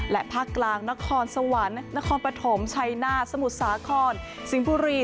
และภาคกลางนครสวรรค์นครปฐมชัยนาธสมุทรสาครสิงห์บุรี